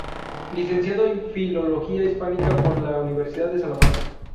Licenciado en Filología Hispánica por la Universidad de Salamanca.